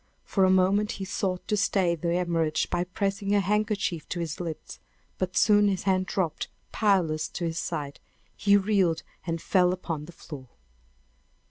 For a moment he sought to stay the hemorrhage by pressing a handkerchief to his lips; but soon his hand dropped powerless to his side; he reeled and fell upon the floor!